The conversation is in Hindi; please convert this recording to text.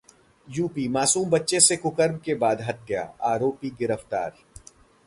यूपी: मासूम बच्चे से कुकर्म के बाद हत्या, आरोपी गिरफ्तार